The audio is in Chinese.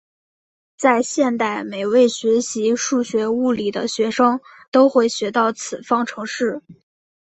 在现代每位学习数学物理的学生都会学到此方程式。